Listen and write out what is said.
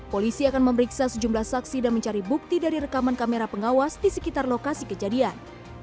polisi akan memeriksa sejumlah saksi dan mencari bukti dari rekaman kamera pengawas di sekitar lokasi kejadian